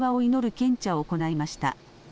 献茶を行いました。